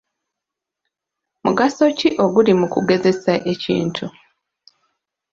Mugaso ki oguli mu kugezesa ekintu?